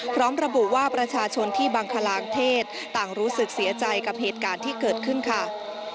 พร้อมระบุว่าประชาชนที่บังคลางเทศต่างรู้สึกเสียใจกับเหตุการณ์ที่เกิดขึ้นค่ะ